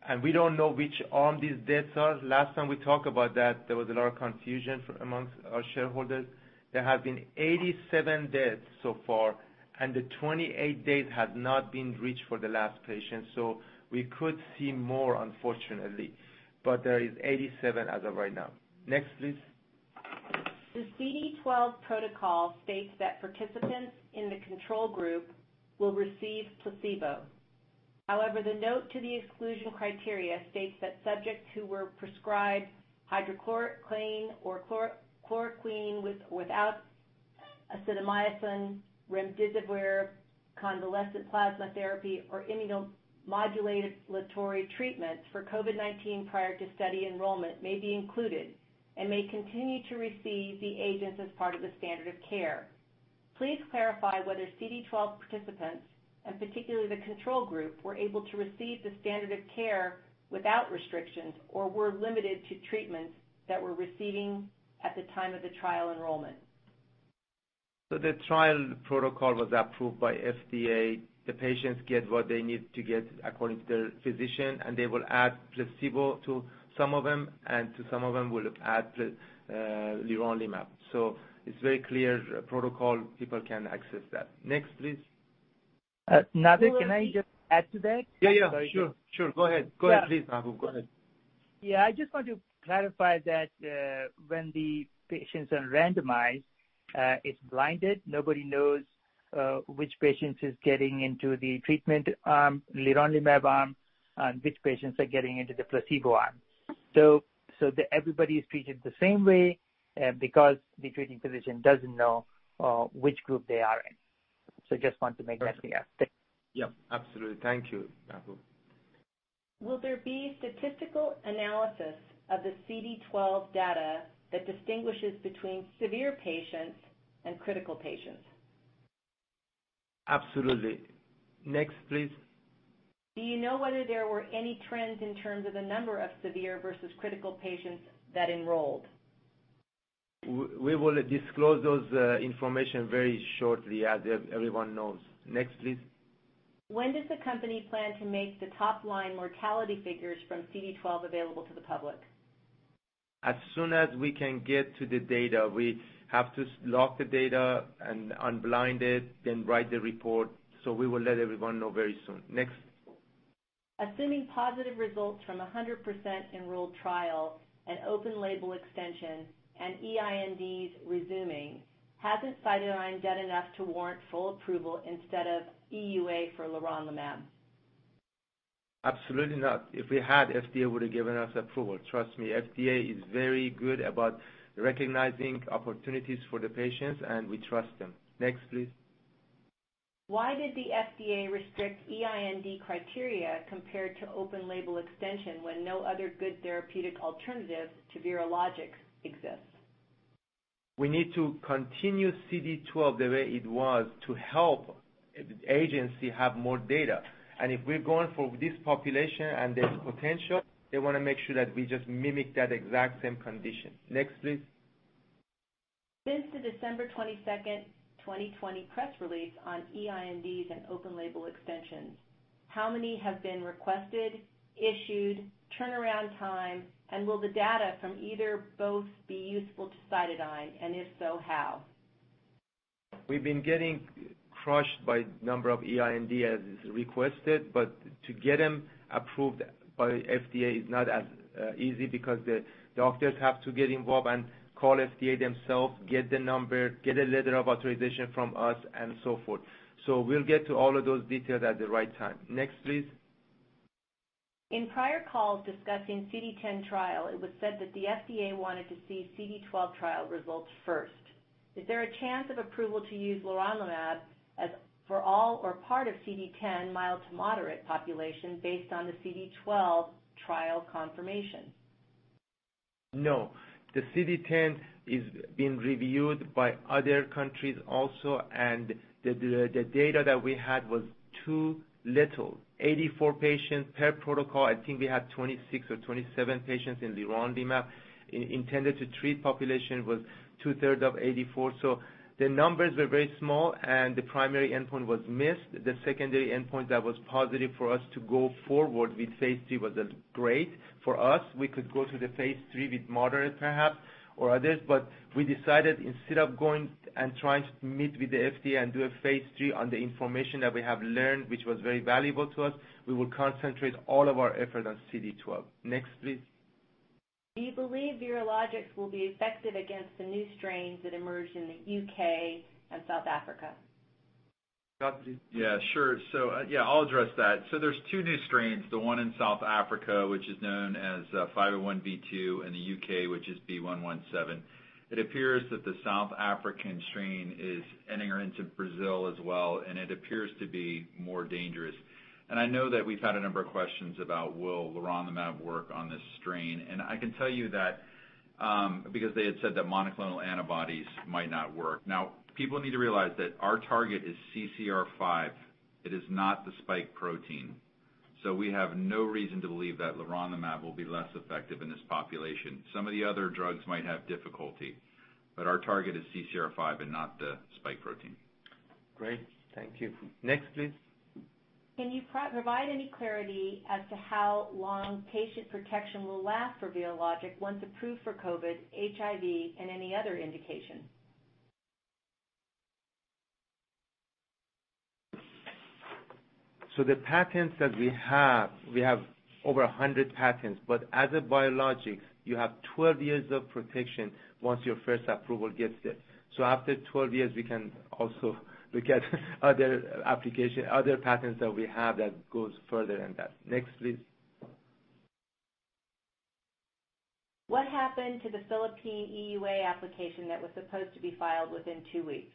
and we don't know which all these deaths are. Last time we talked about that, there was a lot of confusion amongst our shareholders. There have been 87 deaths so far, and the 28 days has not been reached for the last patient, so we could see more, unfortunately. There is 87 as of right now. Next, please.
The CD12 protocol states that participants in the control group will receive placebo. However, the note to the exclusion criteria states that subjects who were prescribed hydroxychloroquine or chloroquine with or without azithromycin, remdesivir, convalescent plasma therapy, or immunomodulatory treatments for COVID-19 prior to study enrollment may be included and may continue to receive the agents as part of the standard of care. Please clarify whether CD12 participants, and particularly the control group, were able to receive the standard of care without restrictions or were limited to treatments that were receiving at the time of the trial enrollment.
The trial protocol was approved by FDA. The patients get what they need to get according to their physician, and they will add placebo to some of them, and to some of them will add the liraglutide. It's very clear protocol. People can access that. Next, please.
Nader, can I just add to that?
Yeah, sure. Go ahead, please, Mahboob. Go ahead.
Yeah, I just want to clarify that when the patients are randomized, it's blinded. Nobody knows which patients is getting into the treatment arm, leronlimab arm, and which patients are getting into the placebo arm. Everybody is treated the same way because the treating physician doesn't know which group they are in. Just want to make that clear. Thanks.
Yeah, absolutely. Thank you, Mahboob.
Will there be statistical analysis of the CD12 data that distinguishes between severe patients and critical patients?
Absolutely. Next, please.
Do you know whether there were any trends in terms of the number of severe versus critical patients that enrolled?
We will disclose those information very shortly as everyone knows. Next, please.
When does the company plan to make the top-line mortality figures from CD12 available to the public?
As soon as we can get to the data. We have to lock the data and unblind it, then write the report. We will let everyone know very soon. Next.
Assuming positive results from 100% enrolled trial and open label extension and EINDs resuming, hasn't CytoDyn done enough to warrant full approval instead of EUA for leronlimab?
Absolutely not. If we had, FDA would've given us approval. Trust me, FDA is very good about recognizing opportunities for the patients, and we trust them. Next, please.
Why did the FDA restrict EIND criteria compared to open label extension when no other good therapeutic alternatives to Vyrologix exist?
We need to continue CD12 the way it was to help the agency have more data. If we're going for this population and there's potential, they want to make sure that we just mimic that exact same condition. Next, please.
Since the December 22nd, 2020 press release on EINDs and open label extensions, how many have been requested, issued, turnaround time, and will the data from either/both be useful to CytoDyn? If so, how?
We've been getting crushed by number of EIND as requested, but to get them approved by FDA is not as easy because the doctors have to get involved and call FDA themselves, get the number, get a letter of authorization from us, and so forth. We'll get to all of those details at the right time. Next, please.
In prior calls discussing CD10 trial, it was said that the FDA wanted to see CD12 trial results first. Is there a chance of approval to use leronlimab as for all or part of CD10 mild to moderate population based on the CD12 trial confirmation?
No. The CD10 is being reviewed by other countries also. The data that we had was too little. 84 patients per protocol. I think we had 26 or 27 patients in leronlimab. Intended to treat population was two-third of 84. The numbers were very small, and the primary endpoint was missed. The secondary endpoint that was positive for us to go forward with phase III wasn't great for us. We could go to the phase III with moderate, perhaps, or others. We decided instead of going and trying to meet with the FDA and do a phase III on the information that we have learned, which was very valuable to us, we will concentrate all of our effort on CD12. Next, please.
Do you believe Vyrologix will be effective against the new strains that emerged in the U.K. and South Africa?
Scott,
Yeah, sure. Yeah, I'll address that. There's two new strains. The one in South Africa, which is known as 501Y.V2, and the U.K., which is B.1.1.7. It appears that the South African strain is entering into Brazil as well, and it appears to be more dangerous. I know that we've had a number of questions about will leronlimab work on this strain. I can tell you that because they had said that monoclonal antibodies might not work. Now, people need to realize that our target is CCR5. It is not the spike protein. We have no reason to believe that leronlimab will be less effective in this population. Some of the other drugs might have difficulty, but our target is CCR5 and not the spike protein.
Great. Thank you. Next, please.
Can you provide any clarity as to how long patient protection will last for Vyrologix once approved for COVID, HIV, and any other indication?
The patents that we have, we have over 100 patents, but as a biologic, you have 12 years of protection once your first approval gets it. After 12 years, we can also look at other applications, other patents that we have that goes further than that. Next, please.
What happened to the Philippines EUA application that was supposed to be filed within two weeks?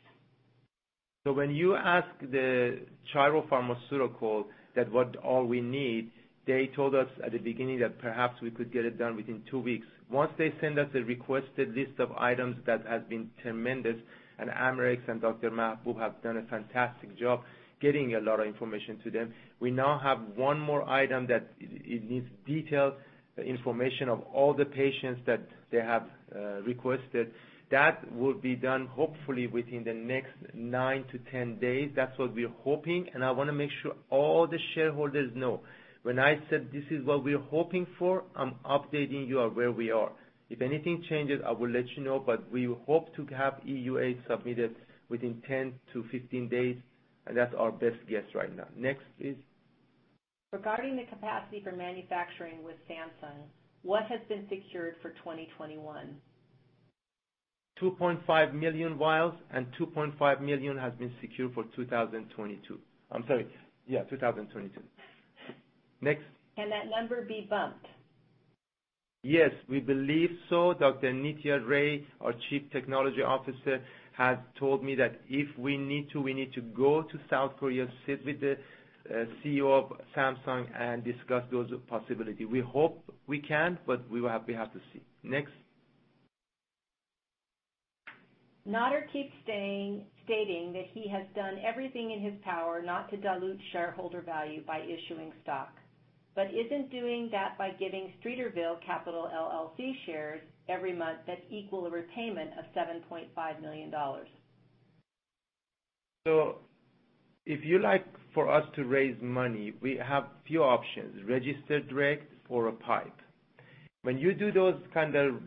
When you ask the Chiral Pharma Corporation that what all we need, they told us at the beginning that perhaps we could get it done within two weeks. Once they send us a requested list of items, that has been tremendous. Amarex and Dr. Mahboob have done a fantastic job getting a lot of information to them. We now have one more item that it needs detailed information of all the patients that they have requested. That will be done hopefully within the next nine to 10 days. That's what we're hoping, and I want to make sure all the shareholders know. When I said this is what we're hoping for, I'm updating you of where we are. If anything changes, I will let you know, we hope to have EUA submitted within 10 to 15 days. That's our best guess right now. Next, please.
Regarding the capacity for manufacturing with Samsung, what has been secured for 2021?
2.5 million vials and 2.5 million has been secured for 2022. I'm sorry. Yeah, 2022. Next.
Can that number be bumped?
Yes, we believe so. Dr. Nitya Ray, our Chief Technology Officer, has told me that if we need to, we need to go to South Korea, sit with the CEO of Samsung, and discuss those possibility. We hope we can, but we have to see. Next.
Nader keeps stating that he has done everything in his power not to dilute shareholder value by issuing stock. Isn't doing that by giving Streeterville Capital, LLC shares every month that equal a repayment of $7.5 million?
If you like for us to raise money, we have few options: registered direct or a PIPE. When you do those kinds of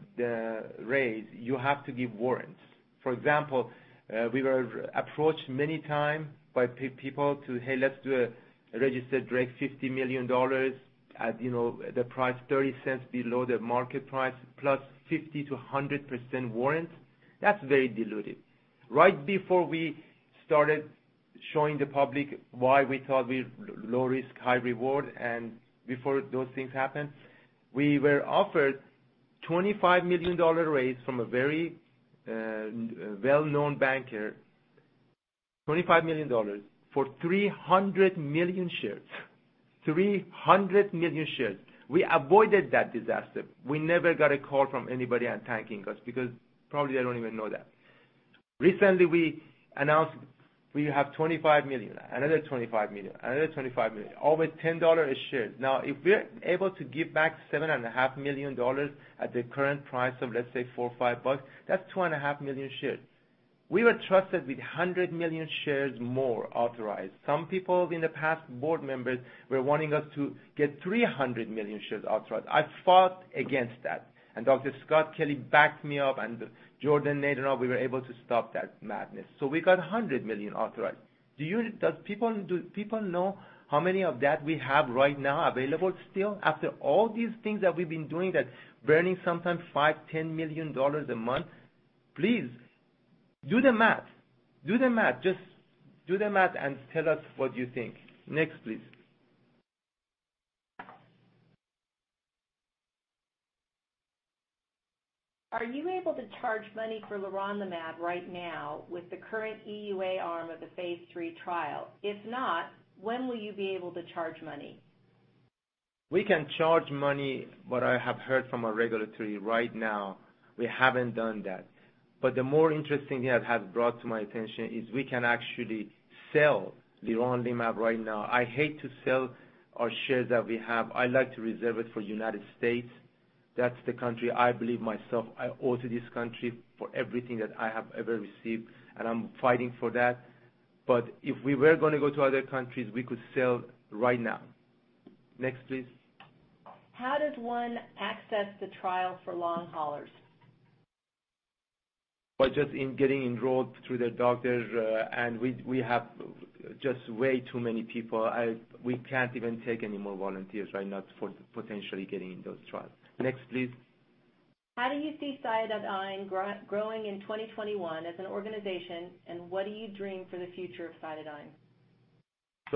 raise, you have to give warrants. For example, we were approached many time by people to, "Hey, let's do a registered direct $50 million at the price $0.30 below the market price, +50%-100% warrants." That's very dilutive. Right before we started showing the public why we thought we low risk, high reward, and before those things happened, we were offered $25 million raise from a very well-known banker, $25 million for 300 million shares. 300 million shares. We avoided that disaster. We never got a call from anybody and thanking us because probably they don't even know that. Recently, we announced we have $25 million, another $25 million, another $25 million, over $10 a share. If we're able to give back $7.5 million at the current price of, let's say, $4 or $5 bucks, that's 2.5 million shares. We were trusted with 100 million shares more authorized. Some people in the past, board members, were wanting us to get 300 million shares authorized. I fought against that, and Dr. Scott Kelly backed me up, and Jordan Nathan, we were able to stop that madness. We got 100 million authorized. Do people know how many of that we have right now available still? After all these things that we've been doing that's burning sometimes $5 million, $10 million a month? Please do the math. Do the math. Just do the math and tell us what you think. Next, please.
Are you able to charge money for leronlimab right now with the current EUA arm of the phase III trial? If not, when will you be able to charge money?
We can charge money, but I have heard from our regulatory right now, we haven't done that. The more interesting they have brought to my attention is we can actually sell leronlimab right now. I hate to sell our shares that we have. I like to reserve it for U.S. That's the country I believe myself, I owe to this country for everything that I have ever received, and I'm fighting for that. If we were going to go to other countries, we could sell right now. Next, please.
How does one access the trial for long haulers?
By just getting enrolled through their doctors, we have just way too many people. We can't even take any more volunteers right now for potentially getting in those trials. Next, please.
How do you see CytoDyn growing in 2021 as an organization, and what do you dream for the future of CytoDyn?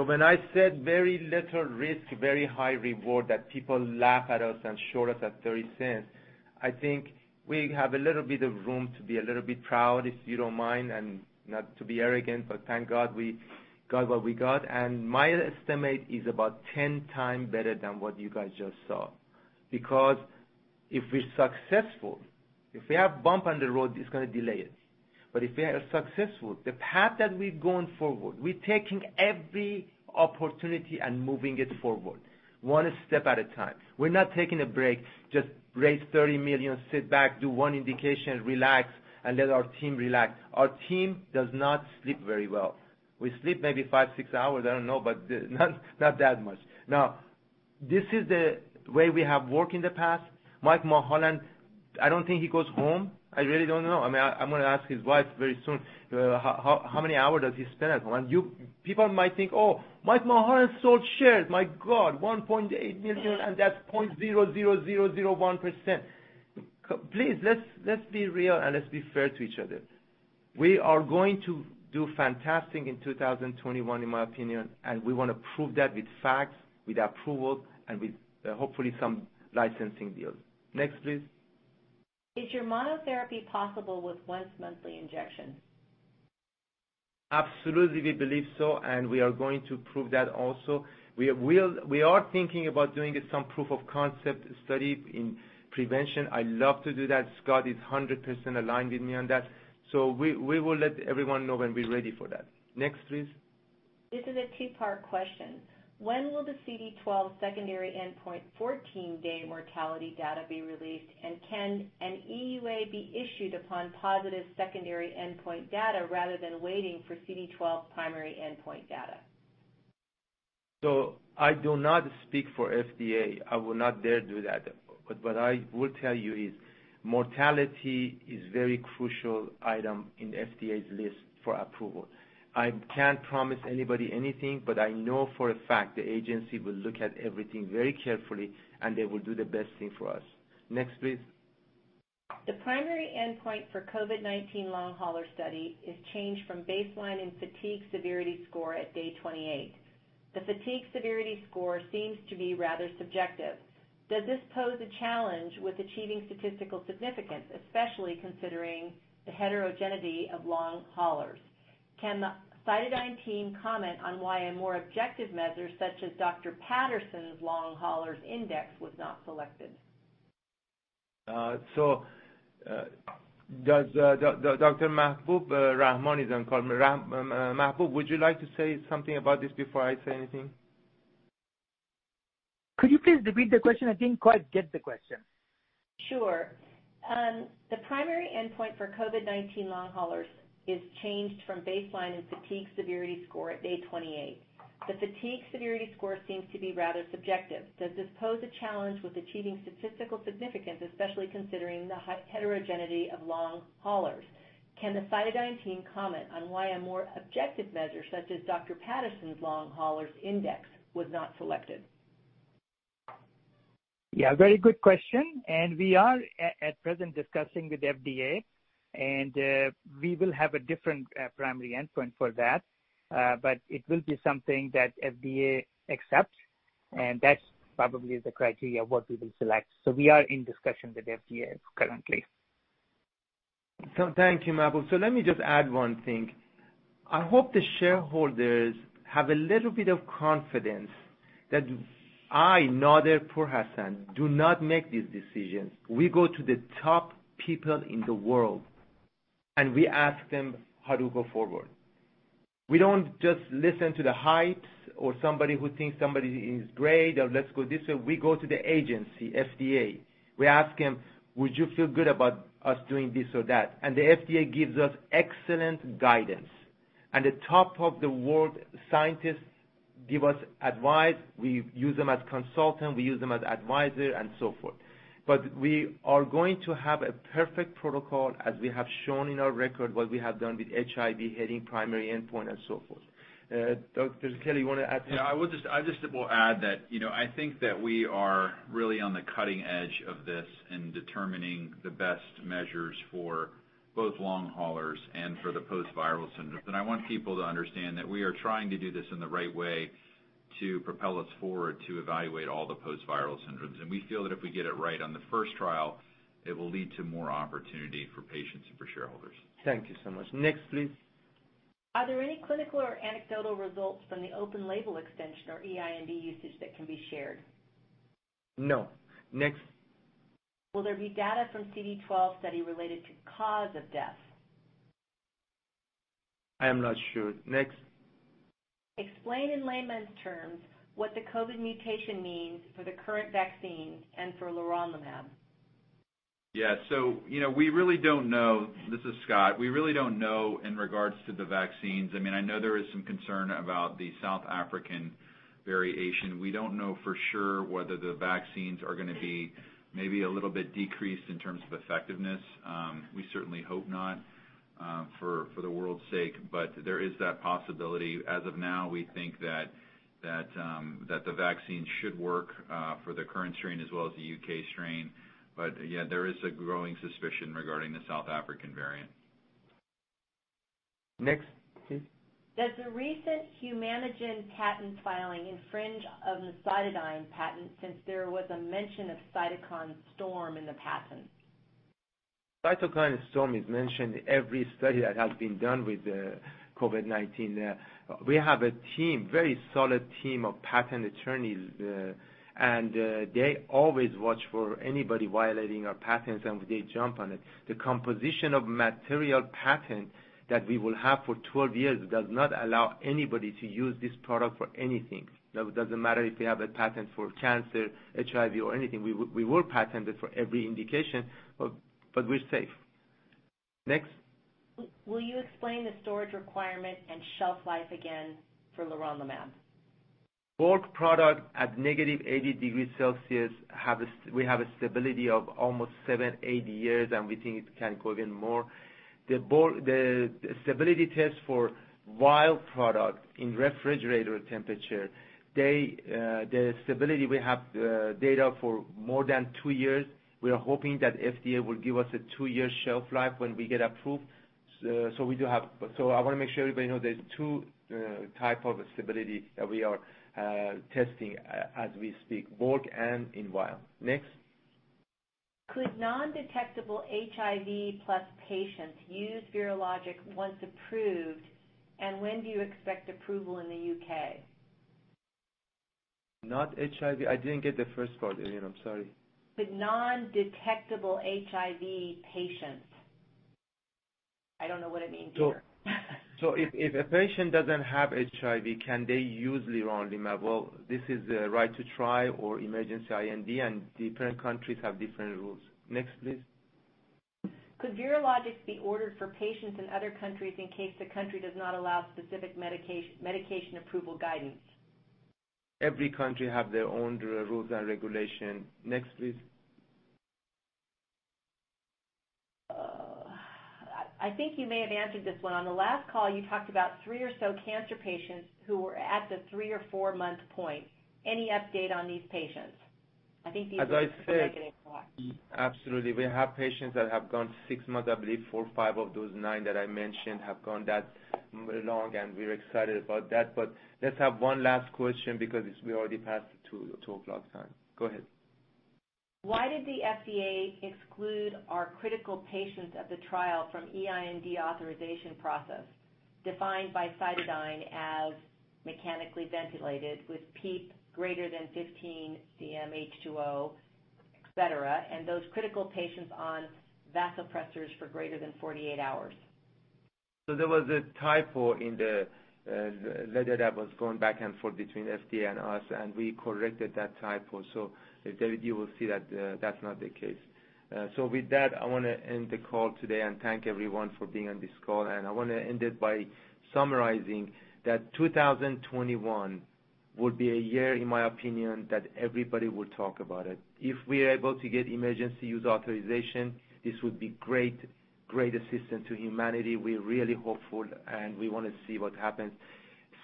When I said very little risk, very high reward, that people laugh at us and short us at $0.30, I think we have a little bit of room to be a little bit proud, if you don't mind, and not to be arrogant, but thank God we got what we got. My estimate is about 10x better than what you guys just saw. If we're successful, if we have bump on the road, it's going to delay it. If we are successful, the path that we're going forward, we're taking every opportunity and moving it forward one step at a time. We're not taking a break, just raise $30 million, sit back, do one indication, relax, and let our team relax. Our team does not sleep very well. We sleep maybe five, six hours, I don't know, but not that much. This is the way we have worked in the past. Michael Mulholland, I don't think he goes home. I really don't know. I'm going to ask his wife very soon, how many hours does he spend at home? People might think, "Oh, Michael Mulholland sold shares. My God, $1.8 million, and that's 0.00001%." Please, let's be real, and let's be fair to each other. We are going to do fantastic in 2021, in my opinion, and we want to prove that with facts, with approval, and with hopefully some licensing deals. Next, please.
Is your monotherapy possible with once-monthly injection?
Absolutely, we believe so. We are going to prove that also. We are thinking about doing some proof of concept study in prevention. I love to do that. Scott is 100% aligned with me on that. We will let everyone know when we're ready for that. Next, please.
This is a two-part question. When will the CD12 secondary endpoint 14-day mortality data be released, and can an EUA be issued upon positive secondary endpoint data rather than waiting for CD12 primary endpoint data?
I do not speak for FDA. I would not dare do that. What I will tell you is mortality is very crucial item in FDA's list for approval. I can't promise anybody anything, but I know for a fact the agency will look at everything very carefully, and they will do the best thing for us. Next, please.
The primary endpoint for COVID-19 long hauler study is changed from baseline in fatigue severity score at day 28. The fatigue severity score seems to be rather subjective. Does this pose a challenge with achieving statistical significance, especially considering the heterogeneity of long haulers? Can the CytoDyn team comment on why a more objective measure, such as Dr. Patterson's Long Haulers Index, was not selected?
Dr. Mahboob Rahman is on call. Mahboob, would you like to say something about this before I say anything?
Could you please repeat the question? I didn't quite get the question.
Sure. The primary endpoint for COVID-19 long haulers is changed from baseline in fatigue severity score at day 28. The fatigue severity score seems to be rather subjective. Does this pose a challenge with achieving statistical significance, especially considering the heterogeneity of long haulers? Can the CytoDyn team comment on why a more objective measure, such as Dr. Patterson's Long Hauler Index, was not selected?
Yeah, very good question, and we are at present discussing with FDA, and we will have a different primary endpoint for that. It will be something that FDA accepts, and that's probably the criteria what we will select. We are in discussion with FDA currently.
Thank you, Mahboob. Let me just add one thing. I hope the shareholders have a little bit of confidence that I, Nader Pourhassan, do not make these decisions. We go to the top people in the world, we ask them how to go forward. We don't just listen to the hype or somebody who thinks somebody is great, or let's go this way. We go to the agency, FDA. We ask them, "Would you feel good about us doing this or that?" The FDA gives us excellent guidance. The top of the world scientists give us advice. We use them as consultants, we use them as advisors, so forth. We are going to have a perfect protocol, as we have shown in our record, what we have done with HIV, hitting primary endpoint and so forth. Dr. Kelly, you want to add to that?
Yeah, I just will add that I think that we are really on the cutting edge of this in determining the best measures for both long haulers and for the post-viral syndromes. I want people to understand that we are trying to do this in the right way to propel us forward to evaluate all the post-viral syndromes. We feel that if we get it right on the first trial, it will lead to more opportunity for patients and for shareholders.
Thank you so much. Next, please.
Are there any clinical or anecdotal results from the open label extension or EIND usage that can be shared?
No. Next.
Will there be data from CD12 study related to cause of death?
I am not sure. Next.
Explain in layman's terms what the COVID mutation means for the current vaccine and for leronlimab.
This is Scott. We really don't know in regards to the vaccines. I know there is some concern about the South African variant. We don't know for sure whether the vaccines are going to be maybe a little bit decreased in terms of effectiveness. We certainly hope not, for the world's sake, but there is that possibility. As of now, we think that the vaccine should work for the current strain as well as the U.K. strain. There is a growing suspicion regarding the South African variant.
Next, please.
Does the recent Humanigen patent filing infringe on the CytoDyn patent, since there was a mention of cytokine storm in the patent?
Cytokine storm is mentioned every study that has been done with COVID-19. We have a very solid team of patent attorneys, and they always watch for anybody violating our patents, and they jump on it. The composition of material patent that we will have for 12 years does not allow anybody to use this product for anything. It doesn't matter if they have a patent for cancer, HIV, or anything. We will patent it for every indication, but we're safe. Next.
Will you explain the storage requirement and shelf life again for leronlimab?
Bulk product at -80 degrees Celsius, we have a stability of almost seven, eight years, and we think it can go even more. The stability test for vial product in refrigerator temperature, the stability, we have data for more than two years. We are hoping that FDA will give us a two-year shelf life when we get approved. I want to make sure everybody knows there's two type of stability that we are testing as we speak, bulk and in vial. Next.
Could non-detectable HIV plus patients use Vyrologix once approved, and when do you expect approval in the U.K.?
Not HIV. I didn't get the first part, Elaine, I'm sorry.
Could non-detectable HIV patients. I don't know what it means either.
If a patient doesn't have HIV, can they use leronlimab? This is Right to Try or emergency IND, and different countries have different rules. Next, please.
Could Vyrologix be ordered for patients in other countries in case the country does not allow specific medication approval guidance?
Every country have their own rules and regulation. Next, please.
I think you may have answered this one. On the last call, you talked about three or so cancer patients who were at the three or four-month point. Any update on these patients? I think these are
As I said, absolutely, we have patients that have gone six months, I believe four or five of those nine that I mentioned have gone that long, and we're excited about that. Let's have one last question because we already passed the 2:00 P.M. time. Go ahead.
Why did the FDA exclude our critical patients of the trial from EIND authorization process, defined by CytoDyn as mechanically ventilated with PEEP greater than 15 cmH2O, etc, and those critical patients on vasopressors for greater than 48 hours?
There was a typo in the letter that was going back and forth between FDA and us, and we corrected that typo. You will see that's not the case. With that, I want to end the call today and thank everyone for being on this call. I want to end it by summarizing that 2021 will be a year, in my opinion, that everybody will talk about it. If we are able to get emergency use authorization, this would be great assistance to humanity. We're really hopeful, and we want to see what happens.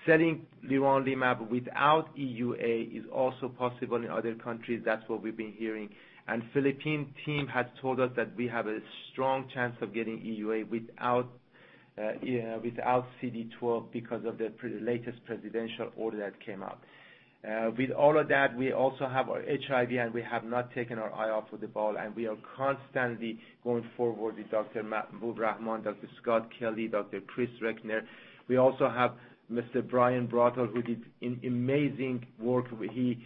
Selling leronlimab without EUA is also possible in other countries. That's what we've been hearing. Philippines team has told us that we have a strong chance of getting EUA without CD12 because of the latest presidential order that came out. With all of that, we also have our HIV, and we have not taken our eye off of the ball, and we are constantly going forward with Dr. Mahboob Rahman, Dr. Scott Kelly, Dr. Chris Recknor. We also have Mr. Brian Braithwaite, who did amazing work. He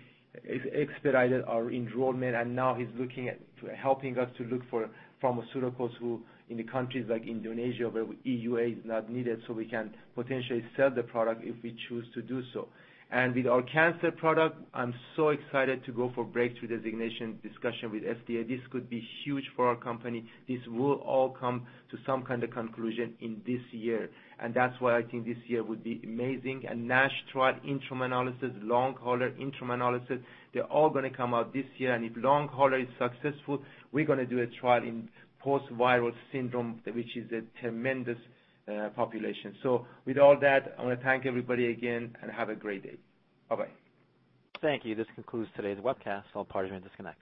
expedited our enrollment, and now he's looking at helping us to look for pharmaceuticals in the countries like Indonesia, where EUA is not needed, so we can potentially sell the product if we choose to do so. With our cancer product, I'm so excited to go for breakthrough designation discussion with FDA. This could be huge for our company. This will all come to some kind of conclusion this year. That's why I think this year will be amazing. NASH trial interim analysis, Long Hauler interim analysis, they're all going to come out this year. If long hauler is successful, we're going to do a trial in post-viral syndrome, which is a tremendous population. With all that, I want to thank everybody again, and have a great day. Bye-bye.
Thank you. This concludes today's webcast. All parties may disconnect.